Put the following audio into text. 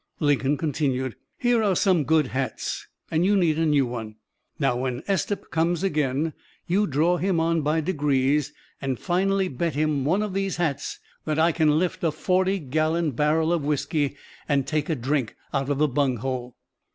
Lincoln continued: "Here are some good hats, and you need a new one. Now, when Estep comes again, you draw him on by degrees, and finally bet him one of these hats that I can lift a forty gallon barrel of whisky and take a drink out of the bunghole."